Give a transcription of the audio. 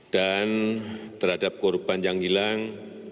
dan terhadap korban yang hilang